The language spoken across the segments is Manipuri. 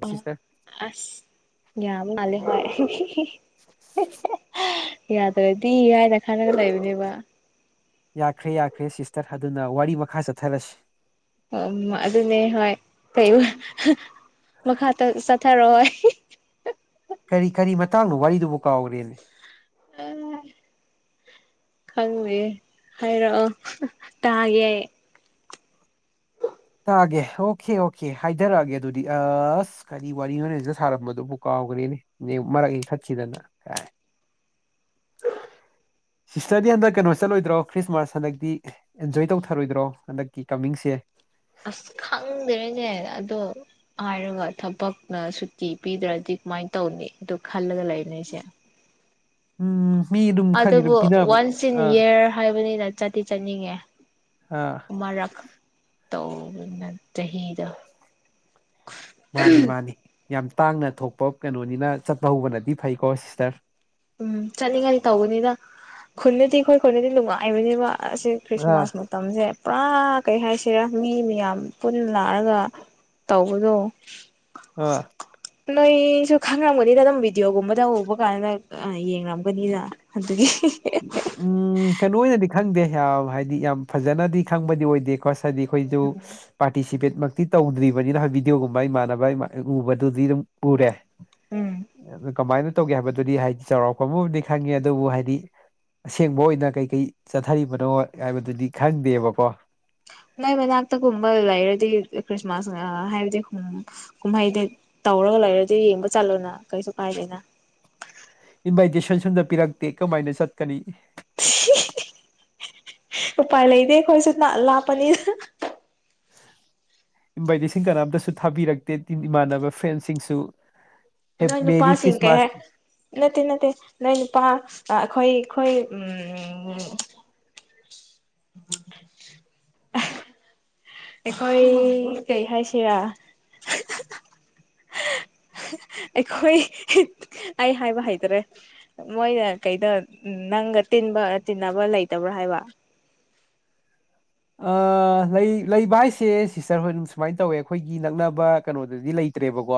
ꯑ ꯑꯁ ꯌꯥꯕ ꯃꯥꯜꯂꯦ ꯍꯣꯏ [inaudible] ꯌꯥꯗ꯭ꯔꯗꯤ ꯍꯥꯏꯅ ꯈꯔꯒ ꯂꯩꯕꯅꯦꯕ ꯌꯥꯈ꯭ꯔꯦ ꯌꯥꯈ꯭ꯔꯦ ꯁꯤꯁꯇꯔ ꯑꯗꯨꯅ ꯋꯥꯔꯤ ꯃꯈꯥ ꯆꯠꯊꯔꯁꯤ ꯎꯝ ꯑꯗꯨꯅꯦ ꯍꯣꯏ ꯀꯩꯕ ꯃꯈꯥ ꯇ ꯆꯠꯊꯔꯛꯑꯣ ꯍꯣꯏ ꯀꯔꯤ ꯀꯔꯤ ꯃꯇꯥꯡꯅꯣ ꯋꯥꯔꯤꯗꯨꯕꯨ ꯀꯥꯎꯈ꯭ꯔꯦꯅꯦ [inaudible] ꯈꯪꯗꯦ ꯍꯥꯏꯔꯛꯑꯣ ꯇꯥꯒꯦ ꯑꯩ ꯇꯥꯒꯦ ꯑꯣꯈꯦ ꯑꯣꯈꯦ ꯍꯥꯏꯗꯔꯛꯑꯒꯦ ꯑꯗꯨꯗꯤ ꯑ ꯀꯔꯤ ꯋꯥꯔꯤꯅꯣꯅꯦ ꯍꯧꯖꯤꯛꯇꯥ ꯁꯥꯔꯝꯕꯗꯨꯕꯨ ꯀꯥꯎꯒ꯭ꯔꯦꯅꯦ ꯅꯦ ꯃꯔꯛ ꯍꯦꯛ ꯊꯠꯈꯤꯗꯅ ꯀꯥꯏ ꯁꯤꯁꯇꯔꯗꯤ ꯍꯟꯗꯛ ꯀꯩꯅꯣ ꯆꯠꯂꯣꯏꯗ꯭ꯔꯣ ꯈ꯭ꯔꯤꯁꯃꯥꯁ ꯍꯟꯗꯛꯇꯤ ꯑꯦꯟꯖꯣꯏ ꯇꯧꯊꯔꯣꯏꯗ꯭ꯔꯣ ꯍꯟꯗꯛꯀꯤ ꯀꯃꯤꯡꯁꯦ ꯑꯁ ꯈꯪꯗꯦꯅꯦ ꯑꯗꯣ ꯍꯥꯏꯔꯒ ꯊꯕꯛꯅ ꯁꯨꯇꯤ ꯄꯤꯗ꯭ꯔꯗꯤ ꯀꯃꯥꯏꯅ ꯇꯧꯅꯤ ꯑꯗꯨ ꯈꯜꯂꯒ ꯂꯩꯕꯅꯦ ꯑꯩꯁꯦ ꯎꯝ ꯃꯤꯗꯨ ꯑꯗꯨꯕꯨ ꯋꯥꯟꯁ ꯏꯟ ꯏꯌꯥꯔ ꯍꯥꯏꯕꯅꯤꯅ ꯆꯗꯤꯤ ꯆꯠꯅꯤꯡꯉꯦ ꯑꯥ ꯃꯔꯛ ꯇꯧꯅ ꯆꯍꯤꯗ ꯃꯥꯅꯤ ꯃꯥꯅꯤ ꯌꯥꯝ ꯇꯥꯡꯅ ꯊꯣꯛꯄ ꯀꯩꯅꯣꯅꯤꯅ ꯆꯠꯄ ꯍꯧꯕꯅꯗꯤ ꯐꯩꯀꯣ ꯁꯤꯁꯇꯔ ꯎꯝ ꯆꯠꯅꯤꯡꯉꯥꯏꯅꯤ ꯇꯧꯕꯅꯤꯅ ꯈꯨꯟꯅꯗꯤ ꯑꯩꯈꯣꯏ ꯈꯨꯅꯗꯤ ꯅꯨꯡꯉꯥꯏꯕꯅꯦꯕ ꯑꯁꯤ ꯑꯥ ꯈ꯭ꯔꯤꯁꯃꯥꯁꯃꯨꯛꯇꯤ ꯃꯇꯝꯁꯦ ꯄꯨꯔꯥ ꯀꯩ ꯍꯥꯏꯁꯤꯔꯥ ꯃꯤ ꯃꯌꯥꯝ ꯄꯨꯟꯅ ꯂꯥꯛꯑꯒ ꯇꯧꯕꯗꯣ ꯑꯥ ꯅꯣꯏꯁꯨ ꯈꯪꯉꯝꯒꯅꯤꯅ ꯑꯗꯨꯝ ꯚꯤꯗꯤꯑꯣꯒꯨꯝꯕꯗ ꯎꯕ ꯀꯥꯟꯗ ꯑ ꯌꯦꯡꯝꯒꯅꯤꯗ ꯑꯗꯨꯒꯤ ꯎꯝ ꯀꯩꯅꯣ ꯑꯣꯏꯅꯗꯤ ꯈꯪꯗꯦ ꯌꯥꯝ ꯍꯥꯏꯗꯤ ꯌꯥꯝ ꯐꯖꯅꯗꯤ ꯈꯪꯕꯗꯤ ꯑꯣꯏꯗꯦꯀꯣ ꯁꯗꯤ ꯍꯣꯏꯗꯨ ꯎꯝ ꯄꯥꯔꯇꯤꯁꯤꯄꯦꯠ ꯃꯛꯇꯤ ꯇꯧꯗ꯭ꯔꯤꯕꯅꯤꯅ ꯚꯤꯗꯤꯑꯣꯒꯨꯝꯕ ꯏꯃꯥꯟꯅꯕ ꯎꯕꯗꯨꯗꯤ ꯑꯗꯨꯝ ꯎꯔꯦ ꯎꯝ ꯑꯗꯨ ꯀꯃꯥꯏꯅ ꯇꯧꯒꯦ ꯍꯥꯏꯕꯗꯨꯗꯤ ꯍꯥꯏꯗꯤ ꯆꯥꯎꯔꯥꯛꯄ ꯑꯃꯗꯤ ꯈꯪꯉꯦ ꯑꯗꯨꯕꯨ ꯍꯥꯏꯗꯤ ꯑꯁꯦꯡꯕ ꯑꯣꯏꯅ ꯀꯩ ꯀꯩ ꯆꯠꯊꯔꯤꯕꯅꯣ ꯍꯥꯏꯕꯗꯨꯗꯤ ꯈꯪꯗꯦꯕꯀꯣ ꯅꯣꯏ ꯃꯅꯥꯛꯇꯒꯨꯝꯕ ꯂꯩꯔꯗꯤ ꯈ꯭ꯔꯤꯁꯃꯥꯁ ꯍꯥꯏꯕꯗꯤ ꯈ ꯀꯨꯝꯍꯩꯗ ꯇꯧꯔꯒ ꯂꯩꯔꯗꯤ ꯌꯦꯡꯕ ꯆꯠꯂꯣꯅ ꯀꯩꯁꯨ ꯀꯥꯏꯗꯦꯅ ꯏꯟꯚꯥꯏꯇꯦꯁꯟ ꯁꯣꯝꯗ ꯄꯤꯔꯛꯇꯦ ꯀꯃꯥꯏꯅ ꯆꯠꯀꯅꯤ ꯎꯄꯥꯏ ꯂꯩꯇꯦ ꯑꯩꯈꯣꯏꯁꯨ ꯂꯥꯞꯄꯅꯤꯅ ꯏꯟꯚꯥꯏꯇꯦꯁꯤꯡꯟ ꯀꯅꯥꯝꯇꯁꯨ ꯊꯥꯕꯤꯔꯛꯇꯦꯤꯟ ꯏꯃꯥꯟꯅꯕ ꯐ꯭ꯔꯦꯟꯁꯤꯡꯁꯨ ꯍꯦ ꯅꯣꯏ ꯃꯦꯔꯤ ꯅꯨꯄꯥꯁꯤꯡ ꯀꯩ ꯍꯥꯏ ꯈ꯭ꯔꯤꯁꯃꯥꯁ ꯅꯠꯇꯦ ꯅꯠꯇꯦ ꯅꯣꯏ ꯅꯨꯄꯥ ꯑꯩꯈꯣꯏ ꯑꯩꯈꯣꯏ [unintelligible] ꯑꯩꯈꯣꯏ ꯀꯩ ꯍꯥꯏꯥꯏꯁꯤꯔ ꯑꯩꯈꯣꯏ ꯑꯩ ꯍꯥꯏꯕ ꯍꯩꯇ꯭ꯔꯦ ꯃꯣꯏꯅ ꯀꯩꯗ ꯅꯪꯒ ꯇꯤꯟꯕ ꯇꯤꯟꯅꯕ ꯂꯩꯇꯕ꯭ꯔꯥ ꯍꯥꯏꯕ ꯂꯩ ꯂꯩꯕ ꯍꯥꯏꯁꯦ ꯁꯤꯁꯇꯔ ꯍꯣꯏ ꯑꯗꯨ ꯁꯨꯃꯥꯏꯅ ꯇꯧꯋꯦ ꯑꯩꯈꯣꯏꯒꯤ ꯅꯛꯅꯕ ꯀꯩꯅꯣꯗꯗꯤ ꯂꯩ ꯠꯇ꯭ꯔꯦꯕꯀꯣ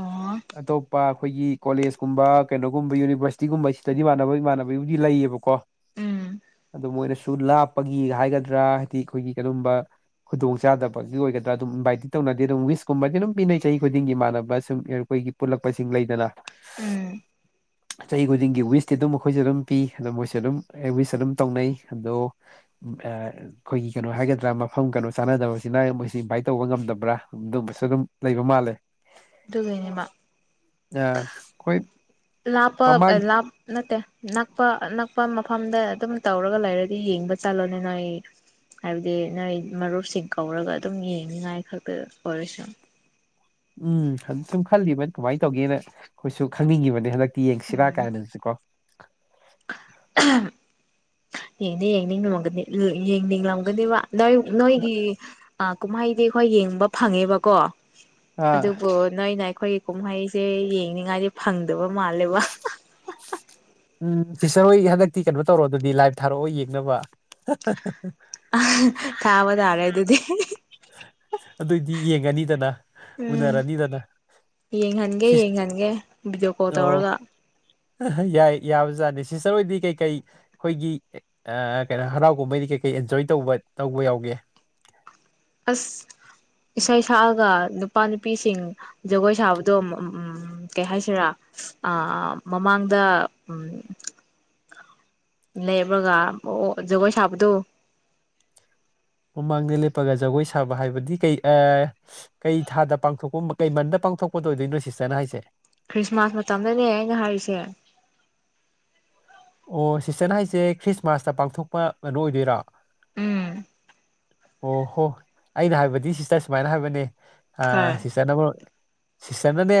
ꯑꯣ ꯑꯗꯣ ꯄ ꯑꯩꯈꯣꯏꯒꯤ ꯀꯣꯂꯦꯖꯀꯨꯝꯕ ꯀꯩꯅꯣꯒꯨꯝꯕ ꯌꯨꯅꯤꯕꯔꯁꯤꯇꯤꯒꯨꯝꯕ ꯁꯤꯗꯗꯤ ꯏꯃꯥꯟꯅꯕ ꯏꯃꯥꯟꯅꯕꯒꯤꯕꯨꯗꯤ ꯂꯩꯌꯦꯕꯀꯣ ꯎꯝ ꯑꯗꯨ ꯃꯣꯏꯅꯁꯨ ꯂꯥꯞꯄꯒꯤ ꯍꯥꯏꯒꯗ꯭ꯔꯥ ꯍꯥꯏꯗꯤ ꯑꯩꯈꯣꯏꯒꯤ ꯀꯝꯕ ꯈꯨꯗꯣꯡ ꯆꯥꯗꯕꯒꯤ ꯑꯣꯏꯒꯗ꯭ꯔꯥ ꯑꯗꯨꯝ ꯏꯟꯚꯥꯏꯇꯤ ꯇꯧꯅꯗꯦ ꯑꯗꯨꯝ ꯋꯤꯁꯀꯨꯝꯕꯗꯤ ꯑꯗꯨꯝ ꯄꯤꯅꯩ ꯆꯍꯤ ꯈꯨꯗꯤꯡꯒꯤ ꯏꯥꯟꯅꯕ ꯁꯨꯝ ꯑꯩꯈꯣꯏꯒꯤ ꯄꯨꯜꯂꯛꯄꯁꯤꯡ ꯂꯩꯗꯅ ꯎꯝ ꯆꯍꯤ ꯈꯨꯗꯤꯡꯒꯤ ꯋꯤꯁꯇꯤ ꯑꯗꯨꯝ ꯃꯈꯈꯣꯏꯁꯨ ꯑꯗꯨꯝ ꯄꯤ ꯑꯗꯣ ꯃꯣꯏꯁꯨ ꯑꯗꯨꯝ ꯋꯤꯁ ꯑꯗꯨꯝ ꯇꯧꯅꯩ ꯑꯗꯣ ꯑ ꯑꯩꯈꯣꯏꯒꯤ ꯀꯩꯅꯣ ꯍꯥꯏꯒꯗ꯭ꯔꯥ ꯃꯐꯝ ꯀꯩꯅꯣ ꯆꯥꯟꯅꯗꯕꯁꯤꯅ ꯃꯣꯏꯁꯨ ꯏꯟꯚꯥꯏꯠ ꯇꯧꯕ ꯉꯝꯗꯕ꯭ꯔꯥ ꯑꯗꯨꯒꯕꯁꯨ ꯑꯗꯨꯝ ꯂꯩꯕ ꯃꯥꯜꯂꯦ ꯑꯗꯨꯒꯅꯦꯃ ꯑꯩꯈꯣꯏ ꯂꯥꯄ ꯃꯃꯥꯡ ꯂꯥ ꯅꯠꯇꯦ ꯅꯛꯄ ꯅꯛꯄ ꯃꯐꯝꯗ ꯑꯗꯨꯝ ꯇꯧꯔꯒ ꯂꯩꯔꯗꯤ ꯌꯦꯡꯕ ꯆꯠꯂꯣꯅꯤꯅ ꯑꯩ ꯍꯥꯏꯕꯗꯤ ꯅꯣꯏ ꯃꯔꯨꯞꯁꯤꯡ ꯀꯧꯔꯒ ꯑꯗꯨꯝ ꯌꯦꯡꯅꯤꯉꯥꯏ ꯈꯛꯇꯗ ꯑꯣꯏꯔꯁꯨ ꯎꯝ ꯁꯨꯝ ꯈꯜꯂꯤꯕ ꯀꯃꯥꯏꯅ ꯇꯧꯒꯦꯅ ꯑꯩꯈꯣꯏꯁꯨ ꯈꯪꯅꯤꯡꯉꯤꯕꯅꯦ ꯍꯟꯗꯛꯇꯤ ꯌꯦꯡꯁꯤꯔꯥ ꯀꯥꯏꯅꯪꯁꯨ ꯀꯣ ꯌꯦꯡꯗꯤ ꯌꯦꯡꯅꯤꯡꯒꯅꯤ ꯌꯦꯡꯅꯤꯡꯂꯝꯒꯅꯦꯕ ꯅꯣꯏ ꯅꯣꯏꯒꯤ ꯀꯨꯝꯍꯩꯗꯤ ꯑꯩꯈꯣꯏ ꯌꯦꯡꯕ ꯐꯪꯉꯦꯕꯀꯣ ꯑꯥ ꯑꯗꯨꯕꯨ ꯅꯣꯏꯅ ꯑꯩꯈꯣꯏꯒꯤ ꯀꯨꯝꯍꯩꯁꯦ ꯌꯦꯡꯅꯤꯡꯉꯥꯏꯗꯤ ꯐꯪꯗꯕ ꯃꯥꯜꯂꯦꯕ [unintelligible] ꯎꯝ ꯇꯤꯆꯔ ꯍꯣꯏ ꯍꯟꯗꯛꯇꯤ ꯀꯩꯅꯣ ꯇꯧꯔꯣ ꯑꯗꯨꯗꯤ ꯂꯥꯏꯚ ꯊꯥꯔꯛꯑꯣ ꯌꯦꯡꯅꯕ ꯑ ꯊꯥꯕ ꯇꯥꯔꯦ ꯑꯗꯨꯗꯤ ꯑꯗꯨꯏꯗꯤ ꯌꯦꯡꯉꯅꯤꯗꯅ ꯎꯝ ꯎꯅꯔꯅꯤꯗꯅ ꯌꯦꯡꯍꯟꯒꯦ ꯁꯤꯁ ꯌꯦꯡꯍꯟꯒꯦ ꯚꯤꯗꯤꯑꯣ ꯀꯣꯜ ꯑꯣ ꯇꯧꯔꯒ ꯌꯥꯏ ꯌꯥꯕꯖꯥꯗꯦ ꯁꯤꯁꯇꯔ ꯑꯣꯏꯗꯤ ꯀꯩꯀꯩ ꯑꯩꯈꯣꯏꯒꯤ ꯀꯩꯅꯣ ꯍꯔꯥꯎꯒꯨꯝꯕꯩꯗꯤ ꯀꯩ ꯀꯩ ꯑꯦꯟꯖꯣꯏ ꯇꯧꯕ ꯇꯧꯕ ꯌꯥꯎꯒꯦ ꯑꯁ ꯏꯁꯩ ꯁꯛꯑꯒ ꯅꯨꯄꯥ ꯅꯨꯄꯤꯁꯤꯡ ꯖꯒꯣꯏ ꯁꯥꯕꯗꯣ ꯀꯩ ꯍꯥꯏꯁꯤꯔꯥ ꯃꯃꯥꯡꯗ ꯎ ꯂꯩꯕꯒ ꯑꯣ ꯖꯒꯣꯏ ꯁꯥꯕꯗꯨꯣ ꯃꯃꯥꯡꯗ ꯂꯦꯞꯄꯒ ꯖꯒꯣꯏ ꯁꯥꯕ ꯍꯥꯏꯕꯗꯤ ꯀꯩ ꯀꯩ ꯊꯥꯗ ꯄꯥꯡꯊꯣꯛꯄ ꯀꯩ ꯃꯟꯗ ꯄꯥꯡꯊꯣꯛꯄꯗ ꯑꯣꯏꯗꯣꯏꯅꯣ ꯁꯤꯁꯇꯔꯅ ꯍꯥꯏꯁꯦ ꯈ꯭ꯔꯤꯁꯃꯥꯁ ꯃꯇꯝꯗꯅꯦ ꯑꯩꯅ ꯍꯥꯏꯔꯤꯁꯦ ꯑꯣ ꯁꯤꯁꯇꯟ ꯍꯥꯏꯁꯦ ꯈ꯭ꯔꯤꯁꯃꯥꯁꯇ ꯄꯥꯡꯊꯣꯛꯄ ꯀꯩꯅꯣ ꯑꯣꯏꯗꯣꯏꯔꯥ ꯎꯝ ꯑꯣ ꯍꯣ ꯑꯩꯅ ꯍꯥꯏꯕꯗꯤ ꯁꯤꯁꯇꯔ ꯁꯨꯃꯥꯏꯅ ꯍꯥꯏꯕꯅꯦ ꯑ ꯍꯣꯏ ꯁꯤꯁꯇꯔꯅ ꯁꯤꯁꯇꯔꯅꯅꯦ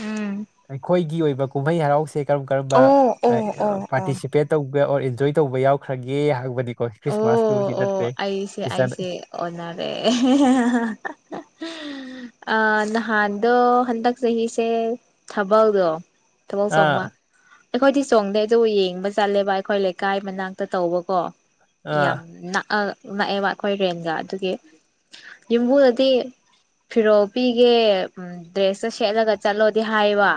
ꯎꯝ ꯑꯩꯈꯣꯏꯒꯤ ꯑꯣꯏꯕ ꯀꯨꯝꯍꯩ ꯍꯔꯥꯎꯁꯦ ꯀꯔꯝ ꯀꯔꯝꯕ ꯑꯣ ꯑꯣ ꯑꯣ [unintelligible] ꯑꯣ ꯄꯥꯔꯇꯤꯁꯤꯄꯦꯠ ꯇꯧꯕ ꯑꯣꯔ ꯑꯦꯟꯖꯣꯏ ꯇꯧꯕ ꯌꯥꯎꯈ꯭ꯔꯒꯦ ꯍꯥꯏꯕꯗꯤꯀꯣ ꯑꯣ ꯈ꯭ꯔꯤꯁꯃꯥꯁꯀꯤꯕꯨꯗꯤ ꯅꯠꯇ꯭ꯔꯦ ꯑꯣ ꯑꯩꯁꯦ ꯑꯩꯁꯦ ꯑꯣꯟꯅꯔꯦ [unintelligible] ꯑ ꯅꯍꯥꯟꯗꯣ ꯍꯟꯗꯛ ꯆꯍꯤꯁꯦ ꯊꯥꯕꯜꯗꯣ ꯊꯥꯕꯜ ꯑꯥ ꯆꯣꯡꯕ ꯑꯩꯈꯣꯏꯗꯤ ꯆꯣꯡꯗꯦ ꯑꯗꯨ ꯌꯦꯡꯕ ꯆꯠꯂꯦꯕ ꯑꯩꯈꯣꯏ ꯂꯩꯀꯥꯏ ꯃꯅꯥꯛꯇ ꯇꯧꯕꯀꯣ ꯑꯥ ꯌꯥꯝ ꯅꯛ ꯑ ꯅꯛꯑꯦꯕ ꯑꯩꯈꯣꯏ ꯔꯦꯟꯒ ꯑꯗꯨꯒꯤ ꯌꯨꯝꯕꯨꯗꯗꯤ ꯐꯤꯔꯣꯜ ꯄꯤꯒꯦ ꯗ꯭ꯔꯦꯁꯇ ꯁꯦꯠꯂꯒ ꯆꯠꯂꯣꯗꯤ ꯍꯥꯏꯕ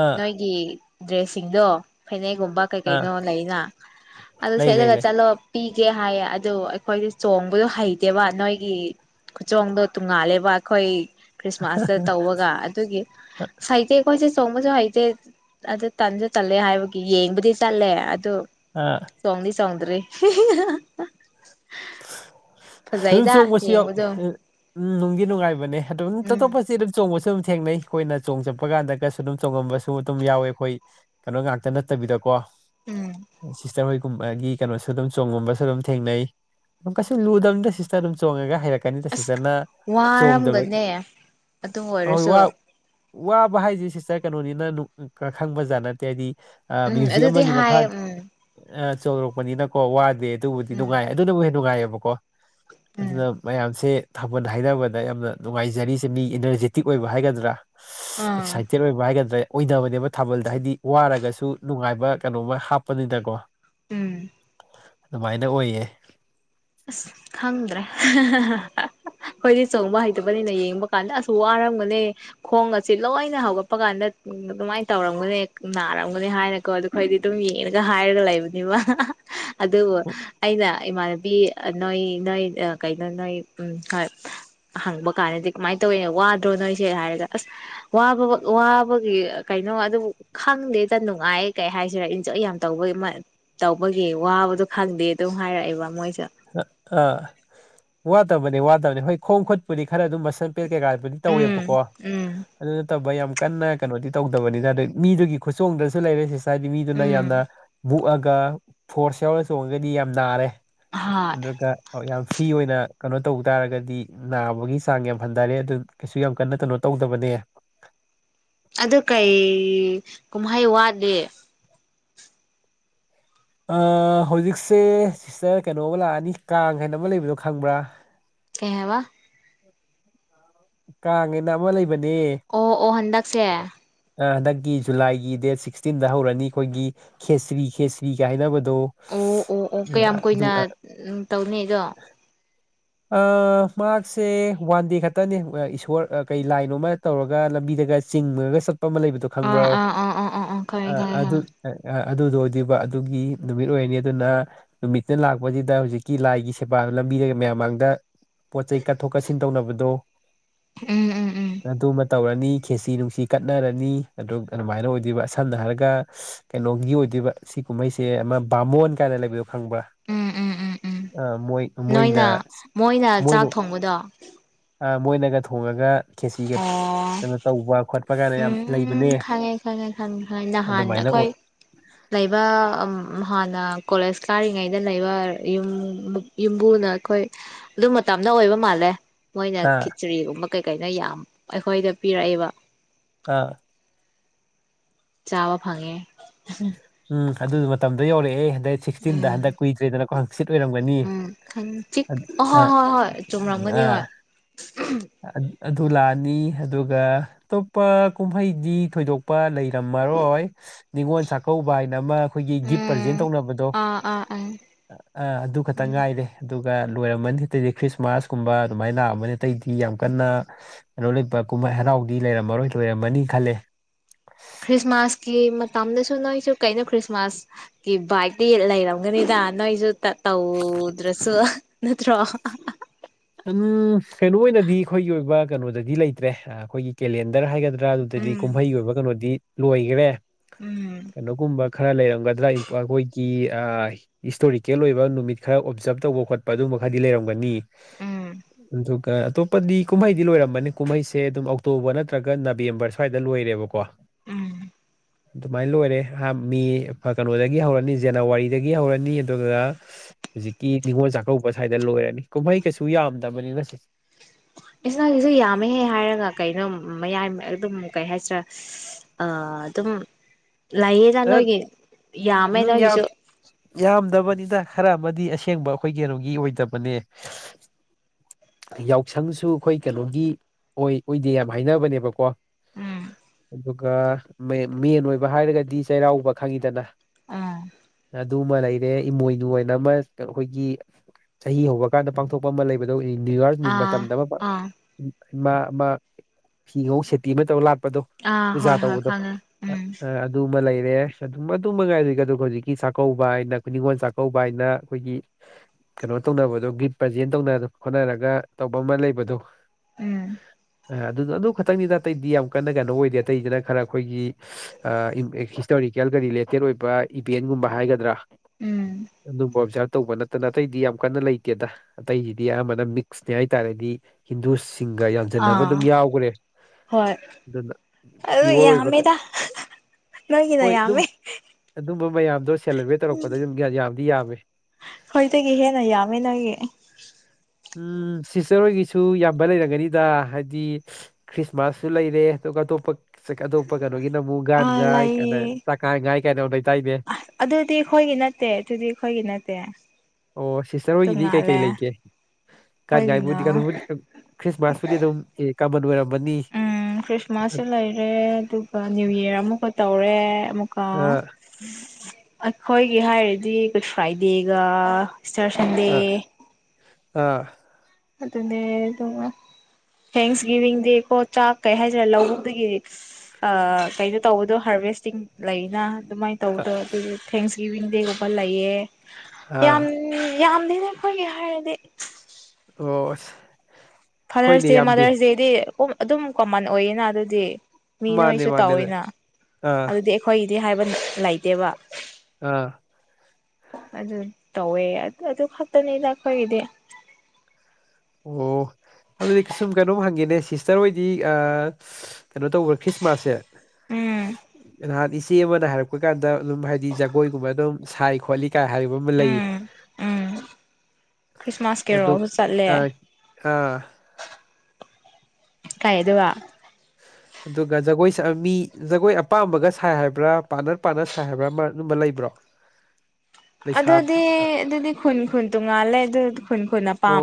ꯑꯥ ꯅꯣꯏꯒꯤ ꯗ꯭ꯔꯦꯁ ꯁꯤꯡꯗꯣ ꯐꯅꯦꯛꯒꯨꯝꯕ ꯀꯩ ꯑꯥ ꯀꯩꯅꯣ ꯂꯩꯅ ꯑꯗꯨ ꯂꯩ ꯂꯩ ꯁꯦꯠꯂꯒ ꯂꯩ ꯆꯠꯂꯣ ꯄꯤꯒꯦ ꯍꯥꯏꯌꯦ ꯑꯗꯨ ꯑꯩꯈꯣꯏꯗꯤ ꯆꯣꯡꯕꯗꯣ ꯍꯩꯇꯦꯕ ꯅꯣꯏꯒꯤ ꯈꯨꯆꯣꯡꯗꯣ ꯇꯣꯡꯉꯥꯜꯂꯦꯕ ꯑꯩꯈꯣꯏ ꯈ꯭ꯔꯤꯁꯃꯥꯁꯇ ꯇꯧꯕꯒ ꯑꯗꯨꯒꯤ ꯁꯥꯏꯖꯦꯛ ꯑꯩꯈꯣꯏꯁꯦ ꯆꯣꯡꯕꯁꯨ ꯍꯩꯇꯦ ꯑꯗꯨ ꯇꯟꯁꯨ ꯇꯜꯂꯦ ꯍꯥꯏꯕꯒꯤ ꯌꯦꯡꯕꯗꯤ ꯆꯠꯂꯦ ꯑꯗꯨ ꯑꯥ ꯆꯣꯡꯅꯤ ꯆꫭꯡꯗ꯭ꯔꯤ [unintelligible] [unintelligible] ꯎꯝ ꯅꯨꯡꯗꯤ ꯅꯨꯡꯉꯥꯏꯕꯅꯦ ꯑꯗꯨꯝ ꯎꯝ ꯇꯣꯇꯣꯞꯄꯁꯤ ꯑꯗꯨꯝ ꯆꯣꯡꯕꯁꯨ ꯑꯗꯨꯝ ꯊꯦꯡꯅꯩ ꯑꯩꯈꯣꯏꯅ ꯆꯣꯡ ꯆꯠꯄ ꯀꯥꯟꯗ ꯀꯁꯨ ꯑꯗꯨꯝ ꯆꯣꯡꯉꯝꯕꯁꯨ ꯑꯗꯨꯝ ꯌꯥꯎꯋꯦ ꯑꯩꯈꯣꯏ ꯀꯩꯅꯣ ꯉꯥꯛꯇ ꯅꯠꯇꯕꯤꯗꯀꯣ ꯎꯝ ꯁꯤꯁꯇꯔ ꯍꯣꯏꯒꯨꯝꯕꯒꯤ ꯀꯩꯅꯣꯁꯨ ꯑꯗꯨꯝ ꯆꯣꯡꯒꯨꯝꯕꯁꯨ ꯑꯗꯨꯝ ꯊꯦꯡꯅꯩ ꯑꯗꯨꯝ ꯀꯩꯁꯨ ꯂꯨꯗꯕꯅ ꯁꯤꯁꯇ ꯑꯗꯨꯝ ꯆꯣꯡꯉꯒ ꯍꯩꯔꯛ ꯀꯅꯤꯗ ꯑꯁ ꯁꯤꯁꯇꯔꯅ ꯆꯣꯡꯗꯕ ꯋꯥꯔꯝꯒꯅꯦ ꯑꯗꯨ ꯑꯩꯍꯣꯏ ꯑꯣꯏꯔꯁꯨ ꯋꯥ ꯋꯥꯕ ꯍꯥꯏꯁꯦ ꯁꯤꯁꯇꯔ ꯀꯩꯅꯣꯅꯤꯅ ꯈꯪꯕꯖꯥꯠ ꯅꯠꯇꯦ ꯍꯥꯏꯗꯤ ꯑ ꯎꯝ ꯃ꯭ꯌꯨꯖꯤꯛ ꯑꯗꯨꯗꯤ ꯑꯃꯒꯤ ꯍꯥꯏ ꯃꯈꯥ ꯎꯝ ꯆꯣꯔꯛꯄꯅꯤꯅꯀꯣ ꯋꯥꯗꯦ ꯑꯗꯨꯕꯨꯗꯤ ꯎꯝ ꯅꯨꯡꯉꯥꯏ [unintelligible] ꯅꯨꯡꯉꯥꯏꯌꯦꯕꯀꯣ ꯎꯝ ꯑꯗꯨꯅ ꯃꯌꯥꯝꯁꯦ ꯊꯥꯕꯜ ꯍꯥꯏꯅꯕꯗ ꯌꯥꯝꯅ ꯅꯨꯡꯉꯥꯏꯖꯔꯤꯁꯦ ꯃꯤ ꯏꯅꯔꯖꯦꯇꯤꯛ ꯑꯣꯏꯕ ꯍꯥꯏꯒꯗ꯭ꯔꯥ ꯑꯥ ꯑꯦꯛꯁꯥꯏꯇꯦꯠ ꯑꯣꯏꯕ ꯍꯥꯏꯒꯗ꯭ꯔꯥ ꯑꯣꯏꯅꯕꯅꯦꯕ ꯊꯥꯕꯜꯗ ꯍꯥꯏꯗꯤ ꯋꯥꯔꯒꯁꯨ ꯅꯨꯡꯉꯥꯏꯕ ꯀꯩꯅꯣꯝꯃ ꯍꯥꯞꯄꯅꯤꯅꯀꯣ ꯎꯝ ꯑꯗꯨꯃꯥꯏꯅ ꯑꯣꯏꯌꯦ ꯑꯁ ꯈꯪꯗ꯭ꯔꯦ [unintelligible] ꯑꯩꯈꯣꯏꯗꯤ ꯆꯣꯡꯕ ꯍꯩꯇꯕꯅꯤꯅ ꯌꯦꯡꯕ ꯀꯥꯟꯗ ꯑꯁꯨ ꯋꯥꯔꯝꯒꯅꯦ ꯈꯣꯡꯒꯥꯁꯤ ꯂꯣꯏꯅ ꯍꯧꯒꯠꯄ ꯀꯥꯟꯗ ꯑꯗꯨꯃꯥꯏꯅ ꯇꯧꯔꯝꯒꯅꯤ ꯅꯥꯔꯝꯒꯅꯤ ꯍꯥꯏꯅꯀꯣ ꯑꯗꯨꯈꯣꯏꯗꯤ ꯑꯗꯨꯝ ꯌꯦꯡꯉꯒ ꯍꯥꯏꯔꯒ ꯂꯩꯕꯅꯦꯕ ꯑꯗꯨꯕꯨ ꯑꯩꯅ ꯏꯃꯥꯟꯅꯕꯤ ꯅꯣꯏ ꯅꯣꯏ ꯀꯩꯅꯣ ꯅꯣꯏ ꯎ ꯍꯣꯏ ꯍꯪꯕ ꯀꯥꯟꯗꯗꯤ ꯀꯃꯥꯏꯅ ꯇꯧꯋꯤꯅꯦ ꯋꯥꯗ꯭ꯔꯣ ꯅꯣꯏꯁꯦ ꯍꯥꯏꯔꯒ ꯑꯁ ꯋꯥꯕ ꯋꯥꯕꯒꯤ ꯀꯩꯅꯣ ꯑꯗꯨꯕꯨ ꯈꯪꯗꯦꯗ ꯅꯨꯡꯉꯥꯏ ꯀꯩ ꯍꯥꯏꯁꯤꯔꯥ ꯏꯟꯖꯣꯏ ꯌꯥꯝ ꯇꯧꯕꯒꯤ ꯇꯧꯕꯒꯤ ꯋꯥꯕꯗꯣ ꯈꯪꯗꯦ ꯑꯗꯨꯝ ꯍꯥꯏꯔꯛꯑꯦꯕ ꯃꯣꯏꯁꯨ ꯑ ꯑꯥ ꯋꯥꯗꯕꯅꯤ ꯋꯥꯗꯕꯅꯤ ꯍꯣꯏ ꯈꯣꯡ ꯈꯨꯠꯄꯨꯗꯤ ꯈꯔ ꯑꯗꯨꯝ ꯃꯁꯟ ꯄꯦꯠ ꯀꯩꯀꯥ ꯕꯨꯗꯤ ꯎꯝ ꯇꯧꯋꯦꯕꯀꯣ ꯎꯝ ꯑꯗꯨ ꯅꯠꯇꯕ ꯌꯥꯝ ꯀꯟꯅ ꯀꯩꯅꯣꯗꯤ ꯇꯧꯗꯕꯅꯤꯅ ꯃꯤꯗꯨꯒꯤ ꯈꯨꯠꯆꯣꯡꯗꯁꯨ ꯂꯩꯔꯦ ꯁꯤꯁ ꯉꯁꯥꯏꯗꯤ ꯃꯤꯗꯨꯅ ꯎꯝ ꯌꯥꯝꯅ ꯃꯨꯛꯑꯒ ꯐꯣꯔꯁ ꯌꯥꯎꯔ ꯆꯣꯡꯉꯒꯗꯤ ꯌꯥꯝ ꯅꯥꯔꯦ ꯍꯥꯏ ꯑꯗꯨꯒ ꯌꯥꯝ ꯐ꯭ꯔꯤ ꯑꯣꯏꯅ ꯀꯩꯅꯣ ꯇꯧꯕ ꯇꯥꯔꯒꯗꯤ ꯅꯥꯕꯒꯤ ꯆꯥꯡ ꯌꯥꯝ ꯍꯟꯊꯔꯦ ꯑꯗꯨ ꯀꯩꯁꯨ ꯌꯥꯝ ꯀꯟꯅ ꯀꯩꯅꯣ ꯇꯧꯗꯕꯅꯦ ꯑꯗꯨ ꯀꯩ ꯀꯨꯝꯍꯩ ꯋꯥꯠꯂꯤ ꯍꯧꯖꯤꯛꯁꯦ ꯁꯤꯁꯇꯔ ꯀꯩꯅꯣ ꯑꯃ ꯂꯥꯛꯑꯅꯤ ꯀꯥꯡ ꯍꯥꯏꯅ ꯑꯃ ꯂꯩꯕꯗꯣ ꯈꯪꯕ꯭ꯔꯥ ꯀꯩꯍꯥꯏꯕ ꯀꯥꯡ ꯑꯅ ꯑꯃ ꯂꯩꯕꯅꯦ ꯑꯣ ꯑꯣ ꯍꯟꯗꯛꯁꯦ ꯍꯟꯗꯛꯀꯤ ꯖꯨꯂꯥꯏꯒꯤ ꯗꯦꯠ ꯁꯤꯛꯁꯇꯤꯟꯗ ꯍꯧꯔꯅꯤ ꯑꯩꯈꯣꯏꯒꯤ ꯈꯦꯁ꯭ꯔꯤ ꯈꯦꯁ꯭ꯔꯤ ꯀꯥꯏꯅꯕꯗꯣ ꯑꯣ ꯑꯣ ꯑꯣ ꯀꯌꯥꯝ ꯀꯨꯏꯅ ꯇꯧꯅꯤ ꯑꯗꯣ ꯃꯍꯥꯛꯁꯦ ꯋꯥꯟꯗꯦ ꯈꯛꯇꯅꯦ ꯏꯁꯣꯔ ꯀꯩ ꯂꯥꯏꯅꫭꯃ ꯇꯧꯔꯒ ꯂꯝꯕꯤꯗꯒ ꯆꯤꯡꯉꯒ ꯆꯠꯄ ꯑꯃ ꯂꯩꯕꯗꯣ ꯑꯥ ꯈꯪꯕ꯭ꯔꯣ ꯑꯥ ꯑꯥ ꯑꯥ ꯑꯥ ꯑꯥ ꯈꯪꯉꯦ ꯈꯪꯉꯦ ꯑꯗꯨ ꯈꯪꯉꯦ ꯑꯗꯨꯗꯣ ꯑꯣꯏꯗꯤꯕ ꯑꯗꯨꯒꯤ ꯅꯨꯃꯤꯠ ꯑꯣꯏꯔꯅꯤ ꯑꯗꯨꯅ ꯅꯨꯃꯤꯠꯇꯅ ꯂꯥꯛꯄꯁꯤꯗ ꯍꯧꯖꯤꯛꯀꯤ ꯂꯥꯏꯒꯤ ꯁꯦꯕꯥꯗꯨ ꯂꯝꯕꯤꯔꯒ ꯃꯌꯥꯝ ꯃꯥꯡ ꯗ ꯄꯣꯠ ꯆꯩꯩ ꯀꯠꯊꯣꯛ ꯀꯠꯁꯤꯟ ꯇꯧꯅꯕꯗꯣ ꯎꯝ ꯎꯝ ꯎꯝ ꯑꯗꯨꯃ ꯇꯧꯔꯅꯤ ꯈꯦꯁꯤ ꯅꯨꯡꯁꯤ ꯀꯠꯅꯔꯅꯤ ꯑꯗꯨ ꯑꯗꯨꯃꯥꯏꯅ ꯑꯣꯏꯗꯣꯏꯔꯤꯕ ꯁꯝꯅ ꯍꯥꯏꯔꯒ ꯀꯩꯅꯣꯒꯤ ꯑꯣꯏꯗꯣꯏꯕ ꯁꯤ ꯀꯨꯝꯍꯩꯁꯦ ꯑꯃ ꯕꯥꯃꯣꯟ ꯀꯥꯏꯅ ꯂꯩꯕꯤꯌꯣ ꯐꯪꯕ꯭ꯔꯥ ꯎꯝ ꯎꯝ ꯎꯝ ꯎꯝ ꯑ ꯃꯣꯏ ꯃꯣꯏꯅ ꯅꯣꯏꯅ ꯃꯣꯏꯅ ꯆꯥꯛ ꯊꯣꯡꯕꯗꯣ ꯃꯣꯏꯅꯒ ꯊꯣꯡꯉꯒ ꯈꯦꯁꯤꯒ ꯑꯣ ꯀꯩꯅꯣ ꯇꯧꯕ ꯈꯣꯠꯄ ꯀꯥꯏꯅ ꯌꯥꯝ ꯎꯝ ꯂꯩꯕꯅꯦ ꯈꯪꯉꯦ ꯈꯪꯉꯦ ꯈꯪꯉꯦ ꯈꯪꯉꯦ ꯅꯍꯥꯟ ꯑꯗꯨꯃꯥꯏꯅ [inaudible] ꯑꯩꯈꯣꯏ ꯂꯩꯕ ꯍꯥꯟꯅ ꯀꯣꯂꯦꯖ ꯀꯥꯔꯤꯉꯩꯗ ꯂꯩꯕ ꯌ ꯌꯨꯝꯕꯨꯅ ꯑꯩꯈꯣꯏ ꯑꯗꯨ ꯃꯇꯝꯗ ꯑꯣꯏꯕ ꯃꯥꯜꯂꯦ ꯃꯣꯏꯅ ꯑꯥ ꯀꯤꯆꯔꯤꯒꯨꯝꯕ ꯀꯩꯀꯩꯅ ꯌꯥꯝ ꯑꯩꯈꯣꯏꯗ ꯄꯤꯔꯛꯏꯦꯕ ꯑꯥ ꯆꯥꯕ ꯐꯪꯉꯦ ꯎꯝ ꯑꯗꯨ ꯃꯇꯝꯗ ꯌꯧꯔꯛꯑꯦ ꯍꯟꯗꯛ ꯁꯤꯛꯁꯇꯤꯟꯗ ꯎꯝ ꯍꯟꯗꯛ ꯀꯨꯏꯗ꯭ꯔꯦꯗꯅꯀꯣ ꯍꯪꯆꯤꯠ ꯑꯣꯏꯔꯝꯒꯅꯤ ꯈꯪꯆꯤꯛ ꯍꯣꯏ ꯍꯣꯏ ꯍꯣꯏ ꯆꯨꯝꯔꯝꯒꯅꯤ ꯍꯣꯏ ꯑꯗꯨ ꯂꯥꯛꯑꯅꯤ ꯑꯗꯨꯒ ꯑꯇꯣꯞꯄ ꯀꯨꯝꯍꯩꯗꯤ ꯊꯣꯏꯗꯣꯛꯄ ꯂꯩꯔꯝꯃꯔꯣꯏꯉꯣ [unintelligible] ꯆꯥꯛꯀꯧꯕ ꯍꯥꯏꯅ ꯑꯃ ꯑꯩꯈꯣꯏꯒꯤ ꯒꯤꯐ ꯄ꯭ꯔꯖꯦꯟ ꯎꯝ ꯇꯧꯅꯕꯗꯣ ꯑꯥ [inaudible] ꯑ ꯑꯗꯨ ꯈꯛꯇ ꯉꯥꯏꯔꯦ ꯑꯗꯨꯒ ꯂꯣꯏꯔꯝꯕꯅꯤ ꯈꯤꯇꯗꯤ ꯈ꯭ꯔꯤꯁꯃꯥꯁꯀꯨꯝꯕ ꯑꯗꯨꯃꯥꯏꯅ ꯂꯥꯛꯑꯝꯕꯅꯤ ꯑꯇꯩꯗꯤ ꯌꯥꯝ ꯀꯟꯅ ꯑꯩꯅꯣ ꯂꯩꯄ ꯀꯨꯝꯍꯩ ꯍꯔꯥꯎꯗꯤ ꯂꯩꯔꯝꯃꯔꯣꯏ ꯂꯣꯏꯔꯝꯃꯅꯤ ꯈꯜꯂꯦ ꯈ꯭ꯔꯤꯁꯃꯥꯁꯀꯤ ꯃꯇꯝꯗꯁꯨ ꯅꯣꯏꯁꯨ ꯀꯩꯅꯣ ꯈ꯭ꯔꯤꯁꯃꯥꯁ ꯀ ꯚꯥꯏꯇꯤ ꯂꯩꯔꯝꯒꯅꯤꯗ ꯅꯣꯏꯁꯨ ꯇꯧꯗ꯭ꯔꯁꯨ ꯅꯠꯇ꯭ꯔꯣ ꯎꯝ ꯀꯩꯅꯣ ꯑꯣꯏꯅꯗꯤ ꯑꯩꯈꯣꯏꯒꯤ ꯑꯣꯏꯕ ꯀꯩꯅꯣꯗꯗꯤ ꯂꯩꯇ꯭ꯔꯦ ꯑꯩꯈꯣꯏꯒꯤ ꯀꯦꯂꯦꯟꯗꯔ ꯍꯥꯏꯒꯗ꯭ꯔꯥ ꯇ꯭ꯔꯥ ꯑꯗꯨꯗꯗꯤ ꯎꯝ ꯀꯨꯝꯍꯩꯒꯤ ꯑꯣꯏꯕ ꯀꯩꯅꯣꯗꯤ ꯂꯣꯏꯈꯔꯦ ꯎꯝ ꯒꯨꯝꯕ ꯈꯔ ꯂꯩꯔꯝꯒꯗ꯭ꯔꯥ ꯑꯩꯈꯣꯏꯒꯤ ꯍꯤꯁꯇꯣꯔꯤꯀꯦꯜ ꯑꯣꯏꯕ ꯅꯨꯃꯤꯠ ꯈꯔ ꯑꯣꯞꯖꯥꯔꯕ ꯇꯧꯕ ꯈꯣꯠꯄ ꯑꯗꯨꯝꯕ ꯈꯔꯗꯤ ꯂꯩꯔꯝꯒꯅꯤ ꯎꯝ ꯑꯗꯨꯒ ꯑꯇꯣꯞꯄꯗꯤ ꯀꯨꯝꯍꯩꯗꯤ ꯂꯣꯏꯔꯝꯕꯅꯤ ꯀꯨꯝꯍꯩꯁꯦ ꯑꯗꯨꯝ ꯑꯣꯛꯇꯣꯕꯔ ꯅꯠꯇ꯭ꯔꯒ ꯅꯕꯦꯝꯕꯔꯁꯦ ꯁ꯭ꯋꯥꯏꯗ ꯂꯣꯏꯔꯦꯕꯀꯣ ꯎꯝ ꯑꯗꯨꯃꯥꯏꯅ ꯂꯣꯏꯔꯦ ꯃꯤ ꯀꯩꯅꯣꯗꯒꯤ ꯍꯧꯔꯅꯤ ꯖꯅꯋꯥꯔꯤꯗꯒꯤ ꯍꯧꯔꯅꯤ ꯑꯗꯨꯗꯨꯒ ꯍꯧꯖꯤꯛꯀꯤ ꯅꯤꯉꯣꯜ ꯆꯥꯛꯀꯧꯕ ꯁꯋꯥꯏꯗ ꯂꯣꯏꯔꯅꯤ ꯀꯨꯝꯍꯩ ꯀꯩꯁꯨ ꯌꯥꯝꯗꯕꯅꯤꯅ ꯁꯤꯁ ꯏꯁ ꯅꫭꯏꯒꯤꯁꯨ ꯌꯥꯝꯃꯦꯍꯦ ꯍꯥꯏꯔꯒ ꯀꯩꯅꯣ ꯃꯌꯥꯏ ꯑꯗꯨꯝ ꯀꯩ ꯍꯥꯏꯁꯤꯔꯥ ꯑꯥ ꯑꯗꯨꯝ ꯂꯩꯌꯦꯅ ꯑ ꯅꯣꯏꯒꯤ ꯌꯥꯝꯃꯦ ꯅꯣꯏꯒꯤꯁꯨ ꯌꯥꯝꯗꯕꯅꯤꯗꯥ ꯈꯔꯥ ꯑꯃꯥꯗꯤ ꯑꯁꯦꯡꯕ ꯑꯩꯈꯣꯏ ꯀꯩꯅꯣꯒꯤ ꯑꯣꯏꯗꯕꯅꯦ ꯌꯥꯎꯁꯪꯁꯨ ꯑꯩꯈꯣꯏ ꯀꯩꯅꯣꯒꯤ ꯑꯣꯏ ꯑꯣꯏꯗꯦ ꯌꯥꯝ ꯍꯥꯏꯅꯕꯅꯦꯕꯀꯣ ꯎꯝ ꯑꯗꯨꯒ ꯃꯦꯟ ꯑꯣꯏꯕ ꯍꯥꯏꯔꯒꯗꯤ ꯆꯩꯔꯥꯎꯕ ꯈꯪꯉꯤꯗꯅ ꯎꯝ ꯑꯗꯨꯨꯃꯥ ꯂꯩ ꯔꯦ ꯏꯃꯣꯏꯅꯨ ꯍꯥꯏꯅ ꯥꯑꯃ ꯑꯩꯈꯣꯏꯒꯤ ꯆꯍꯤ ꯍꯧꯕ ꯀꯥꯟꯗ ꯄꯥꯡꯊꯣꯛꯄ ꯑꯃ ꯂꯩꯕꯗꯣ ꯅ꯭ꯌꯨ ꯌꯥꯔ ꯑꯥ ꯃꯇꯝꯗꯥ ꯑꯃꯥ ꯑꯥ ꯏꯃꯥ ꯑꯃꯥ ꯐꯤꯉꯧ ꯁꯦꯠꯄꯤ ꯑꯃꯥ ꯇꯧꯔ ꯂꯥꯛꯄꯗꯣ ꯑꯥ ꯍꯣꯏ ꯄꯨꯖꯥ ꯍꯣꯏ ꯇꯧꯕꯗꯣ ꯈꯪꯉꯦ ꯎꯝ [unintelligible] ꯑꯗꯨꯃꯥ ꯂꯩꯔꯦ ꯑꯗꯨ ꯃꯗꯨ ꯃꯉꯥꯏꯔꯦ ꯑꯗꯨꯒ ꯍꯧꯖꯤꯛꯀꯤ ꯆꯥꯛꯀꯧꯕ ꯍꯥꯏꯅ ꯅꯤꯉꯣꯜ ꯆꯥꯛꯀꯧꯕ ꯍꯥꯏꯅ ꯑꯈꯣꯏꯒꯤ ꯀꯩꯅꯣ ꯇꯧꯅꯕꯗꯣ ꯒꯤꯐ ꯄ꯭ꯔꯖꯦꯟ ꯇꯧꯅꯥ ꯈꯣꯠꯅꯔꯒꯥ ꯇꯧꯕ ꯑꯃ ꯂꯩꯕꯗꯣ ꯎꯝ ꯑꯥ ꯑꯗꯨ ꯑꯗꯨ ꯈꯥꯇꯪꯅꯤꯗ ꯑꯇꯩꯗꯤ ꯌꯥꯝ ꯀꯟꯅ ꯀꯩꯅꯣ ꯑꯣꯏꯗꯦ ꯑꯇꯩꯗꯅ ꯈꯔꯥ ꯑꯩꯈꯣꯏꯒꯤ ꯍꯤꯁꯇꯣꯔꯤꯀꯦꯜꯒꯥ ꯔꯤꯂꯦꯇꯦꯠ ꯑꯣꯏꯕ ꯏꯚꯦꯟꯒꯨꯝꯕ ꯍꯥꯏꯒꯗ꯭ꯔꯥ ꯎꯝ ꯑꯗꯨꯝꯕ ꯑꯣꯞꯖꯥꯞ ꯇꯧꯕ ꯅꯠꯇꯅ ꯑꯇꯩꯗꯤ ꯌꯥꯝ ꯀꯟꯅ ꯂꯩꯇꯦꯗ ꯑꯇꯩꯗꯤ ꯗꯤ ꯑꯌꯥꯝꯕꯥꯅꯥ ꯃꯤꯛꯁꯅꯦ ꯍꯥꯏꯇꯥꯔꯗꯤ ꯍꯤꯟꯗꯨꯁꯤꯡꯒ ꯌꯥꯡꯁꯤꯟꯅꯕ ꯑꯥ ꯑꯗꯨꯝ ꯌꯥꯎꯈ꯭ꯔꯦ ꯍꯣꯏ ꯑꯗꯨꯅ ꯑꯗꯨ ꯄꯤꯌꯣꯔ ꯑꯣꯏꯕ ꯌꯥꯝꯃꯦꯗꯥ ꯅꯣꯏꯒꯤꯅꯥ ꯍꯣꯏ ꯑꯗꯨꯝ ꯌꯥꯝꯃꯦ ꯑꯗꯨꯝꯕ ꯃꯌꯥꯝꯗꯣ ꯁꯦꯂꯦꯕ꯭ꯔꯦꯠ ꯇꯧꯔꯛꯄꯗꯥ ꯑꯗꯨ ꯌꯥꯝꯗꯤ ꯌꯥꯝꯃꯦ ꯈꯣꯏꯗꯒꯤ ꯍꯦꯟꯅ ꯌꯥꯝꯃꯦ ꯅꯣꯏꯒꯤ ꯎꯝ ꯁꯤꯁꯇꯔ ꯍꯣꯏꯒꯤꯁꯨ ꯌꯥꯝꯕ ꯂꯩꯔꯒꯅꯤꯗ ꯍꯥꯏꯗꯤ ꯈ꯭ꯔꯤꯁꯃꯥꯁꯁꯨ ꯂꯩꯔꯦ ꯑꯗꯨꯒ ꯑꯇꯣꯞꯄꯥ ꯑꯇꯣꯞꯄ ꯀꯩꯅꯣꯒꯤꯅ ꯑꯃꯨꯛ ꯒꯥꯟ ꯑꯥ ꯉꯥꯏ ꯂꯩꯌꯦ ꯀꯩꯅ ꯆꯀꯥꯟ ꯉꯥꯏ ꯀꯥꯏꯅꯥ ꯂꯩꯗꯨꯗꯤ ꯑꯗꯨꯗꯤ ꯈꯣꯏꯒꯤ ꯅꯠꯇꯦ ꯑꯗꯨꯗꯤ ꯈꯣꯏꯒꯤ ꯅꯠꯇꯦ ꯑꯣ ꯁꯤꯁꯇꯔ ꯍꯣꯏꯒꯤꯗꯤ ꯀꯩꯀꯩ ꯇꯣꯡꯉꯥꯜꯂꯦ ꯂꯩꯒꯦ ꯒꯥꯟ ꯉꯥꯏꯕꯨꯗꯤ ꯑꯩꯈꯣꯏꯒꯤꯅ ꯀꯩꯅꯣꯕꯨꯗꯤ ꯈ꯭ꯔꯤꯁꯃꯥꯁꯄꯨꯗꯤ ꯑꯗꯨꯝ ꯀꯃꯟ ꯑꯣꯏꯔꯝꯃꯅꯤ ꯎꯝ ꯈ꯭ꯔꯤꯁꯃꯥꯁꯁꯨ ꯂꯩꯔꯦ ꯑꯗꯨꯒ ꯅꯤꯌꯨ ꯌꯥꯔ ꯑꯃꯨꯛꯀꯥ ꯇꯧꯔꯦ ꯑꯃꯨꯛꯀꯥ ꯑꯥ ꯑꯩꯈꯣꯏꯒꯤ ꯍꯥꯏꯔꯗꯤ ꯒꯨꯗ ꯐ꯭ꯔꯥꯏꯗꯦꯒ ꯏꯁꯇꯔ ꯁꯟꯗꯦ ꯑꯥ ꯑꯥ ꯑꯗꯨꯅꯦ ꯑꯗꯨꯒꯥ ꯊꯦꯡꯁ ꯒꯤꯕꯤꯡꯗꯤꯀꯣ ꯆꯥꯛ ꯀꯩ ꯍꯥꯏꯖꯤꯔꯥ ꯂꯧꯕꯨꯛꯇꯥꯒꯤ ꯑꯥ ꯀꯩꯅꯣ ꯇꯧꯕꯗꯣ ꯍꯥꯔꯚꯦꯁꯇꯤꯡ ꯂꯩꯅ ꯑꯗꯨꯃꯥꯏꯅ ꯑꯥ ꯇꯧꯕꯗꯣ ꯑꯗꯨ ꯊꯦꯡꯁ ꯒꯤꯕꯤꯡ ꯗꯦꯒꯨꯝꯕ ꯂꯩꯌꯦ ꯑꯥ ꯌꯥꯝ ꯌꯥꯝꯗꯤꯗꯥ ꯑꯈꯣꯏꯒꯤ ꯍꯥꯏꯔꯗꯤ ꯑꯣ ꯑꯁ ꯍꯣꯏꯅꯦ ꯐꯥꯗꯔꯁ ꯗꯦ ꯌꯥꯝꯗꯤ ꯃꯥꯗꯔꯁ ꯗꯦꯗꯤ ꯑꯗꯨꯝ ꯀꯣꯃꯟ ꯑꯣꯏꯌꯦꯅ ꯑꯗꯨꯗꯤ ꯃꯤ ꯃꯥꯅꯦ ꯅꯣꯏꯁꯨ ꯃꯥꯅꯦ ꯇꯧꯋꯤꯅ ꯑꯥ ꯑꯗꯨꯗꯤ ꯑꯩꯈꯣꯏꯒꯤꯗꯤ ꯍꯥꯏꯕ ꯂꯩꯇꯦꯕ ꯑꯥ ꯑꯗꯨ ꯇꯧꯋꯦ ꯑꯗꯨ ꯈꯛꯇꯅꯤꯗ ꯑꯥꯈꯣꯏꯒꯤꯗꯤ ꯑꯣ ꯑꯗꯨꯗꯤ ꯁꯨꯝ ꯀꯩꯅꯣꯝ ꯍꯪꯒꯦꯅꯦ ꯁꯤꯁꯇꯔ ꯍꯣꯏꯗꯤ ꯑꯥ ꯀꯩꯅꯣ ꯇꯧꯕ꯭ꯔꯥ ꯈ꯭ꯔꯤꯁꯃꯥꯁꯁꯦ ꯎꯝ ꯅꯍꯥꯟ ꯏꯆꯦ ꯑꯃꯥꯅ ꯍꯥꯏꯔꯛꯄ ꯀꯥꯟꯗ ꯑꯗꯨꯝ ꯍꯥꯏꯗꯤ ꯖꯒꯣꯏꯒꯨꯝꯕ ꯑꯗꯨꯝ ꯁꯥꯏ ꯈꯣꯠꯂꯤ ꯀꯥꯏ ꯍꯥꯏꯕ ꯑꯃ ꯂꯩ ꯎꯝ ꯎꯝ ꯈ꯭ꯔꯤꯁꯃꯥꯁ ꯑꯗꯨ ꯀꯦꯔꯣꯜꯁꯨ ꯆꯠꯂꯦ ꯑꯥ ꯑꯥ ꯀꯩ ꯑꯗꯨꯒꯥ ꯑꯗꯨꯒ ꯖꯒꯣꯏ ꯃꯤ ꯖꯒꯣꯏ ꯑꯄꯥꯝꯕꯒ ꯁꯥꯏ ꯍꯥꯏꯕ꯭ꯔꯥ ꯄꯥꯠꯅꯔ ꯄꯥꯅꯔ ꯁꯥꯏ ꯍꯥꯏꯕ꯭ꯔꯥ ꯑꯗꯨꯝꯕ ꯂꯩꯕ꯭ꯔꯣ ꯂꯩꯁꯥ ꯑꯗꯨꯗꯤ ꯑꯗꯨꯗꯤ ꯈꯨꯟ ꯈꯨꯟ ꯇꯣꯡꯉꯥꯜꯂꯦ ꯑꯗꯨ ꯈꯨꯟ ꯈꯨꯅ ꯑꯣ ꯄꯥꯝ